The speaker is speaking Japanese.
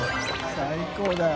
最高だよ。